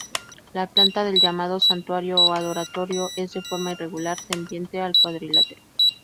La planta del llamado santuario o adoratorio es de forma irregular tendiente al cuadrilátero.